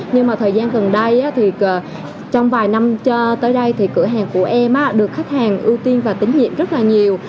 nhưng mà thời gian gần đây thì trong vài năm cho tới đây thì cửa hàng của em được khách hàng ưu tiên và tín nhiệm rất là nhiều